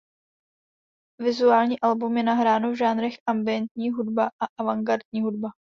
Vizuální album je nahráno v žánrech ambientní hudba a avantgardní hudba.